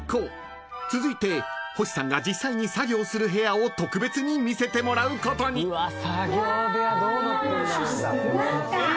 ［続いて星さんが実際に作業する部屋を特別に見せてもらうことに］うわ！